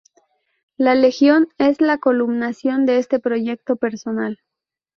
La Legión es la culminación de ese proyecto personal.